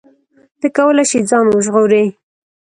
ته کولی شې ځان وژغورې.